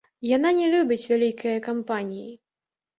Яна не любіць вялікае кампаніі.